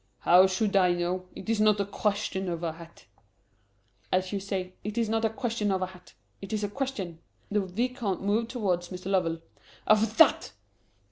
"How should I know? It is not a question of a hat." "As you say, it is not a question of a hat. It is a question" the Vicomte moved towards Mr. Lovell "of that!"